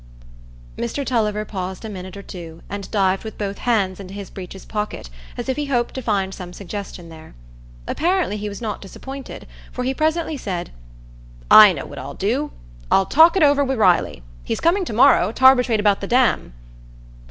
Mr Tulliver paused a minute or two, and dived with both hands into his breeches pockets as if he hoped to find some suggestion there. Apparently he was not disappointed, for he presently said, "I know what I'll do: I'll talk it over wi' Riley; he's coming to morrow, t' arbitrate about the dam."